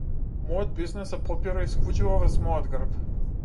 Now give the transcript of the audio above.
Мојот бизнис се потпира исклучиво врз мојот грб.